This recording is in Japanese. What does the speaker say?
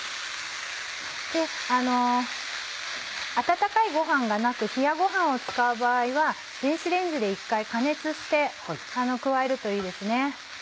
温かいごはんがなく冷やごはんを使う場合は電子レンジで一回加熱して加えるといいですね。